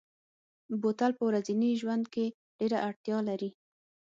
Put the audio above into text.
بوتل په ورځني ژوند کې ډېره اړتیا لري.